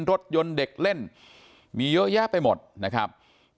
รถยนต์เด็กเล่นมีเยอะแยะไปหมดนะครับ